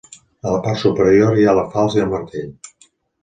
A la part superior hi ha la falç i el martell.